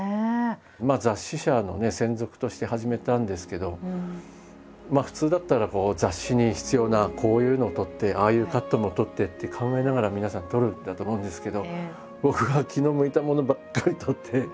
まあ雑誌社の専属として始めたんですけどまあ普通だったら雑誌に必要なこういうのを撮ってああいうカットも撮ってって考えながら皆さん撮るんだと思うんですけど僕は気の向いたものばっかり撮って。